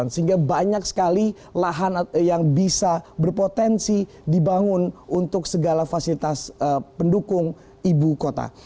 sehingga banyak sekali lahan yang bisa berpotensi dibangun untuk segala fasilitas pendukung ibu kota